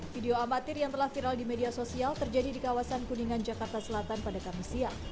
video amatir yang telah viral di media sosial terjadi di kawasan kuningan jakarta selatan pada kamis siang